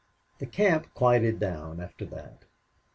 The camp quieted down after that.